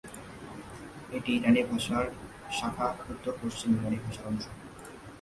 এটি ইরানি ভাষার শাখা উত্তর পশ্চিম ইরানি ভাষার অংশ।